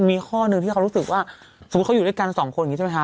มีข้อหนึ่งที่เขารู้สึกว่าสมมุติเขาอยู่ด้วยกัน๒คน